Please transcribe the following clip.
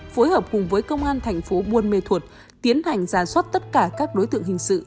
phối hợp cùng với công an thành phố buôn mê thuột tiến hành ra soát tất cả các đối tượng hình sự